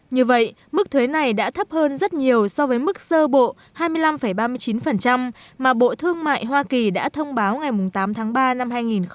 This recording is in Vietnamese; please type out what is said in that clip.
như vậy mức thuế này đã thấp hơn rất nhiều so với mức sơ bộ hai mươi năm ba mươi chín mà bộ thương mại hoa kỳ đã thông báo ngày tám tháng ba năm hai nghìn một mươi chín